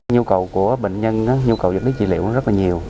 nhu cầu của bệnh nhân nhu cầu dân lý trị liệu rất là nhiều